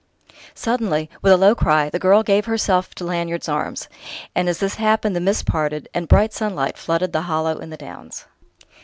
Suddenly, with a low cry, the girl gave herself to Lanyard's arms; and as this happened the mists parted and bright sunlight flooded the hollow in the Downs.